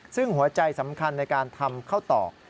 ซึ่งหัวใจสำคัญในการทำข้าวตอก